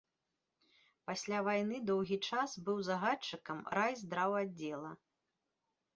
Пасля вайны доўгі час быў загадчыкам райздраўаддзела.